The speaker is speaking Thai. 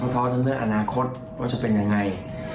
ท้อทั้งเรื่องอนาคตว่าจะเป็นยังไง